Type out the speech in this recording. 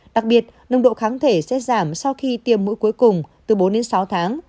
đặc biệt nồng độ kháng thể sẽ giảm sau khi tiêm mũi cuối cùng từ bốn đến sáu tháng